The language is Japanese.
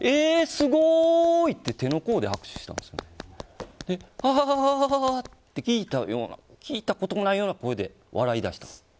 すごーい！って手の甲で拍手したんですあはは、あははって聞いたこともないような声で笑い出したんです。